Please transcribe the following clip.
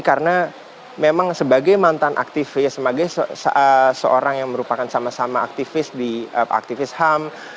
karena memang sebagai mantan aktivis sebagai seorang yang merupakan sama sama aktivis di aktivis ham